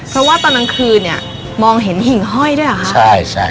เพราะว่าตอนนังคืนมองเห็นหิ่งห้อยด้วยค่ะ